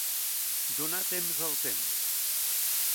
Donar temps al temps.